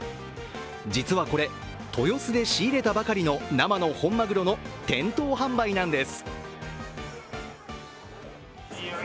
実はこれ、豊洲で仕入れたばかりの生の本まぐろの店頭販売なんです。